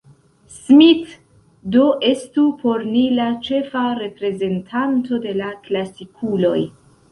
Smith do estu por ni la ĉefa reprezentanto de la klasikuloj.